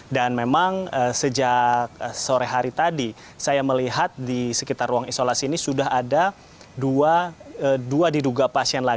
dan memang sejak sore hari tadi saya melihat di sekitar ruang isolasi ini sudah ada dua diduga pasien